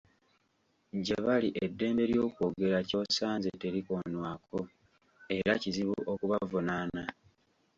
Gye bali eddembe ly'okwogera ky'osanze terikonwako era nga kizibu okubavunaana.